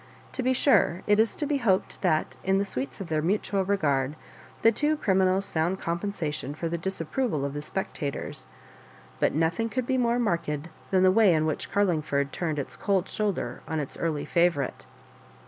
To be sure, it is to be hoped that, in the sweets' of their mutual regard, the two criminals found compensation for the disapproval of the specta tors; but nothing could be more marked than the way in which Carlingford turned its cold shoulder on its early favourite.